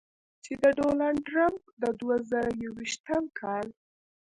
چې د ډونالډ ټرمپ د دوه زره یویشتم کال